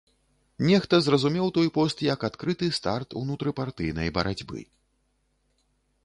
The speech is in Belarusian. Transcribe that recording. Нехта зразумеў той пост як адкрыты старт унутрыпартыйнай барацьбы.